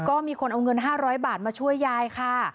ก็มีคนเอาเงิน๕๐๐บาทมาช่วยยายค่ะ